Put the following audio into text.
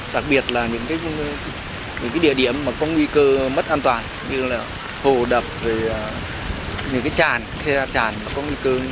đặc biệt là những địa điểm có nguy cơ mất an toàn như hồ đập tràn